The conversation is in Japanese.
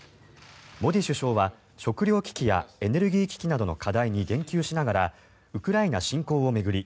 モディ首相は食料危機やエネルギー危機などの課題に言及しながらウクライナ侵攻を巡り